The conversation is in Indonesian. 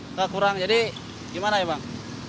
nggak kurang jadi gimana ya bang